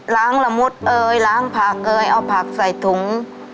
ล้างละมุดล้างผักเอาผักใส่ถุง